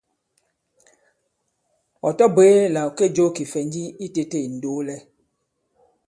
Ɔ̀ tabwě là ɔ̀ kê jo kìfɛ̀nji i tētē ì ndoolɛ.